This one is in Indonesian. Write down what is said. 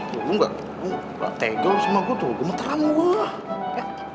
lo ga tegel sama gue tuh gue meteran gue